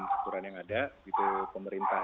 saturan yang ada itu pemerintah